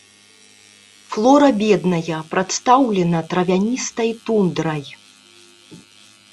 Флора бедная, прадстаўлена травяністай тундрай.